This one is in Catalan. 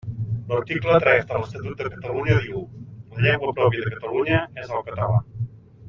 L'article tres de l'Estatut de Catalunya diu “La llengua pròpia de Catalunya és el català”.